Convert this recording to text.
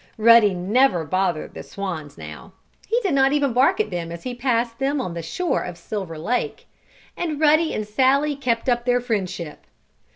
Ruddy never bothered the swans now. He did not even bark at them as he passed them on the shore of Silver Lake. And Ruddy and Sallie kept up their friendship.